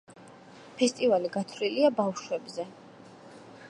ფესტივალი გათვლილია ბავშვებზე.